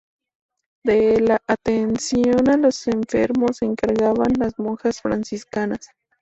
De la atención a los enfermos se encargaban las monjas franciscanas.